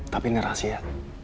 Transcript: tapi ini rahasia